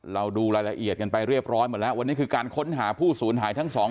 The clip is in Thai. เราดูรายละเอียดกันไปเรียบร้อยหมดแล้ววันนี้คือการค้นหาผู้สูญหายทั้งสอง